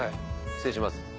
失礼します。